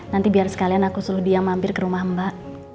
nanti biar sekalian aku suruh dia mampir ke rumah mbak